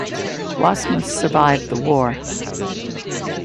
Wassmuss survived the war.